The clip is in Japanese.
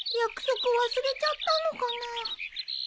約束忘れちゃったのかな。